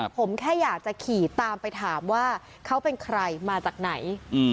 ผมแค่อยากจะขี่ตามไปถามว่าเขาเป็นใครมาจากไหน